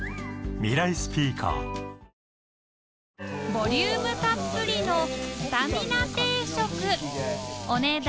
ボリュームたっぷりのスタミナ定食お値段